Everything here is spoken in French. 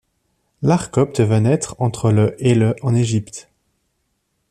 L'art copte va naître entre le et le en Égypte.